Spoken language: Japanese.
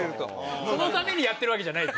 そのためにやってるわけじゃないです。